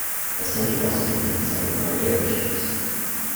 The centre also contains several car dealerships.